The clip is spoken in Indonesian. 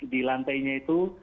di lantai nya itu